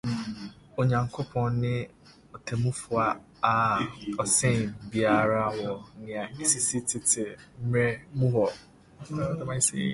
Onyankopɔn ne Ɔtemmufo a ɔsen biara wɔ nea esisii tete mmere mu ho.